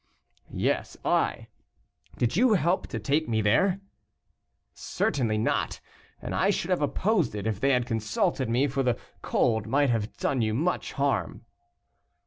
"Yes, I. Did you help to take me there?" "Certainly not, and I should have opposed it if they had consulted me; for the cold might have done you much harm."